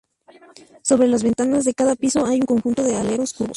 Sobre las ventanas de cada piso hay un conjunto de aleros curvos.